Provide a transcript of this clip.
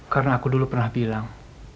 karena aku dulu pernah bilang